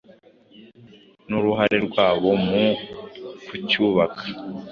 n’uruhare rwabo mu kucyubaka